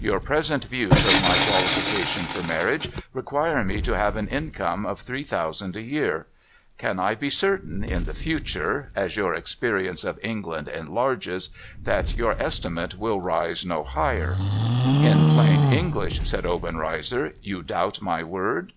Your present views of my qualification for marriage require me to have an income of three thousand a year. Can I be certain, in the future, as your experience of England enlarges, that your estimate will rise no higher ?'' In plain English,' said Obenreizer, ' you doubt my word